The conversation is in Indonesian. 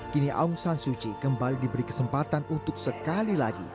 kini aung san suci kembali diberi kesempatan untuk sekali lagi